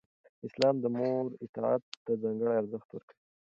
اسلام د مور اطاعت ته ځانګړی ارزښت ورکوي.